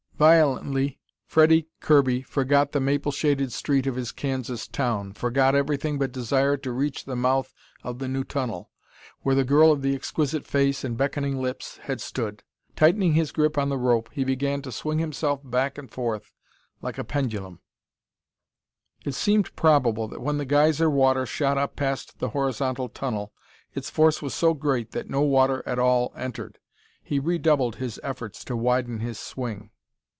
Violently, Freddie Kirby forgot the maple shaded street of his Kansas town, forgot everything but desire to reach the mouth of the new tunnel, where the girl of the exquisite face and beckoning lips had stood. Tightening his grip on the rope, he began to swing himself back and forth like a pendulum. It seemed probable that when the geyser water shot up past the horizontal tunnel, its force was so great that no water at all entered. He redoubled his efforts to widen his swing.